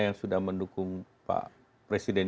yang sudah mendukung pak presiden